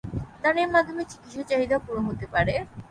দানের মাধ্যমে চিকিৎসা চাহিদা পূরণ হতে পারে।